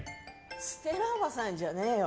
ステラおばさんじゃねーよ。